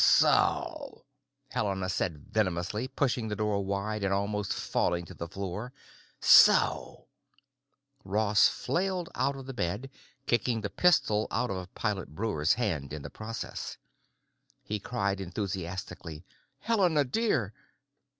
"So!" Helena said venomously, pushing the door wide and almost falling to the floor. "So!" Ross flailed out of the bed, kicking the pistol out of Pilot Breuer's hand in the process. He cried enthusiastically, "Helena, dear!"